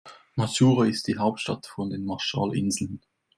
Majuro ist die Hauptstadt von den Marshallinseln.